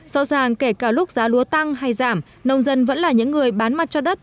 rõ ràng kể cả lúc giá lúa tăng hay giảm nông dân vẫn là những người bán mặt cho đất